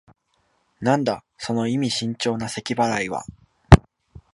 なんだ、その意味深長なせき払いは。